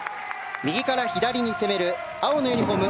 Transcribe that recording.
右から左に攻める青のユニホーム